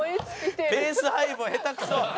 ペース配分下手くそ！